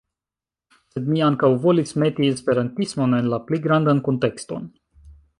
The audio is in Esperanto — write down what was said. Sed mi ankaŭ volis meti esperantismon en la pli grandan kuntekston.